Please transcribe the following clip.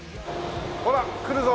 ほら来るぞ。